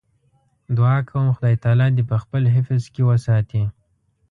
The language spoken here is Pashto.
دعا کوم خدای تعالی دې په خپل حفظ کې وساتي.